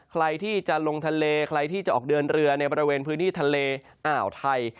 ใครที่จะลงทะเลใครที่จะออกเดินเรือในบริเวณพื้นที่ทะเลอ่าวไทย